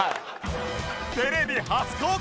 テレビ初公開！